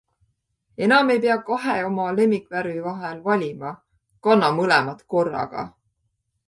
Enam ei pea kahe oma lemmikvärvi vahel valima - kanna mõlemat korraga!